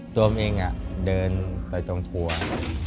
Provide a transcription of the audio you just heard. ตัวผมเองเดินไปตรงทัวร์